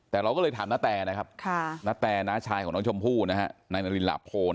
แต่เราก็เลยถามณแตนะครับณแตน้าชายของน้องชมพู่ณนารินหลาโพ